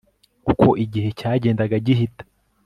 uko igihe cyagendaga gihita